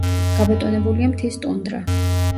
გაბატონებულია მთის ტუნდრა.